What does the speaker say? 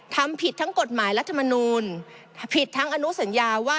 ทำผิดทั้งกฎหมายรัฐมนูลผิดทั้งอนุสัญญาว่า